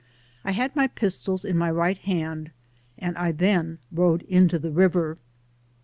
I had my pistols in my right hand, and I then rode into the river.